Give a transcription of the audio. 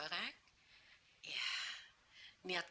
ya niat kami tidak bisa dipercaya lagi